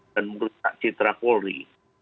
dan menurut kak citra polri